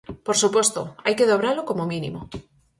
Por suposto, hai que dobralo como mínimo.